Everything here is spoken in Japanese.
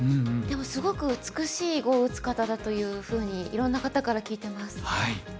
でもすごく美しい碁を打つ方だというふうにいろんな方から聞いてます。